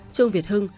trương việt hưng